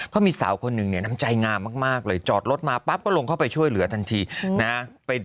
เขามีสาวคนหนึ่งเนี่ยน้ำใจงามมากเลยจอดรถมาปั๊บก็ลงเข้าไปช่วยเหลือทันทีนะฮะ